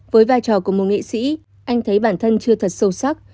với vai trò của một nghệ sĩ anh thấy bản thân chưa thật sâu sắc